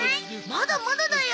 まだまだだよ。